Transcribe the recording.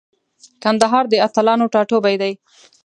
کندهار د اتلانو ټاټوبی دی.